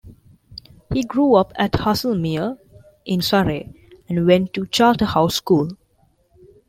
He grew up at Haslemere in Surrey and went to Charterhouse School.